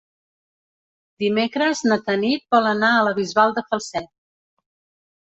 Dimecres na Tanit vol anar a la Bisbal de Falset.